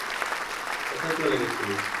কোথায় চলে গেছিলি?